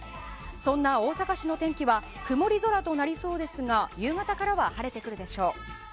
そんな大阪市の天気は曇り空となりそうですが夕方からは晴れてくるでしょう。